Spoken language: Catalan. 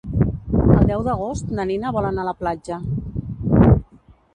El deu d'agost na Nina vol anar a la platja.